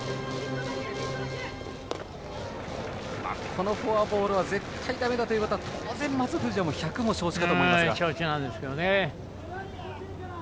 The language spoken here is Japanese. このフォアボールは絶対だめだということは当然、松藤は百も承知だと思いますけど。